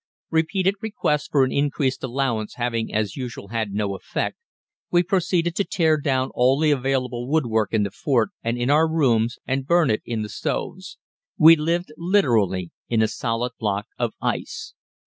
Repeated requests for an increased allowance having as usual had no effect, we proceeded to tear down all the available woodwork in the fort and in our rooms and burn it in the stoves. We lived literally in a solid block of ice.